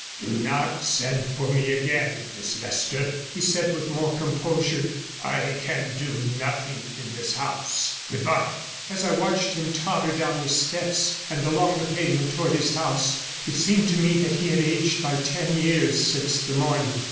114 'Do not send for me again, Miss Leicester,' he said with more composure. 'I can do nothing in this house. Good bye.' As I watched him totter down the steps; and along the pavement towards his house, it seemed to me that he had aged by ten years since the morning.